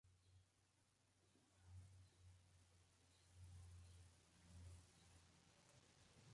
La epistemología de Piaget está a medio camino entre el idealismo y el materialismo.